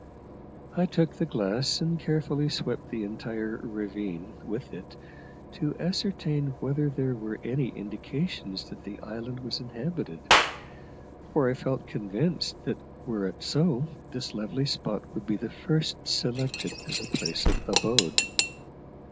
I took the glass, and carefully swept the entire ravine with it to ascertain whether there were any indications that the island was inhabited, for I felt convinced that were it so this lovely spot would be the first selected as a place of abode.